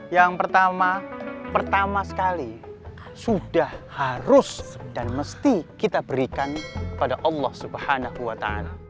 yang pertama pertama sekali sudah harus dan mesti kita berikan kepada allah swt